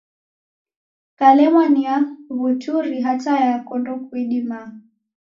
Kalemwa ni ya w'uturi hata yako ndokuidimaa.